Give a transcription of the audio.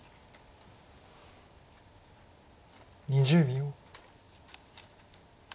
２０秒。